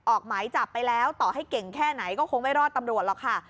ออกหมายจับไปแล้วต่อให้เก่งแค่ไหนก็คงไม่รอดตำรวจหรอกค่ะ